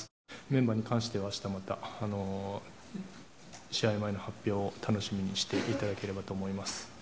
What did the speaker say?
メンバーに関しては明日また、試合前の発表を楽しみにしていただければと思います。